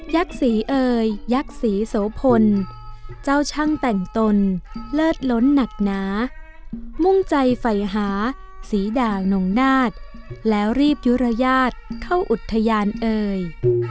ศรีเอ่ยยักษ์ศรีโสพลเจ้าช่างแต่งตนเลิศล้นหนักหนานุ่งใจไฟหาสีด่างนงนาฏแล้วรีบยุรยาทเข้าอุทยานเอ่ย